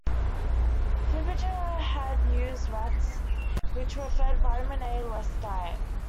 Fibiger had used rats which were fed vitamin A-less diet.